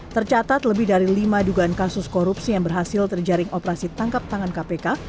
tercatat lebih dari lima dugaan kasus korupsi yang berhasil terjaring operasi tangkap tangan kpk